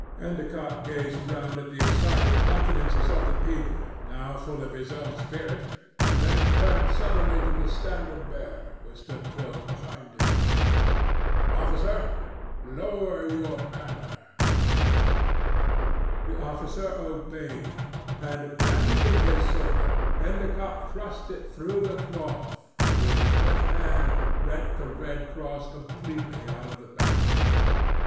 Endicott gazed round at the excited countenances of the people, now full of his own spirit, and then turned suddenly to the standard bearer, who stood close behind him. "Officer, lower your banner," said he. The officer obeyed, and, brandishing his sword, Endicott thrust it through the cloth and with his left hand rent the red cross completely out of the banner.